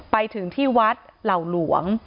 ไปถึงที่วัดเหล่าหลวง